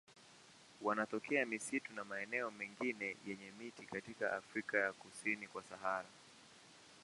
Wanatokea misitu na maeneo mengine yenye miti katika Afrika kusini kwa Sahara.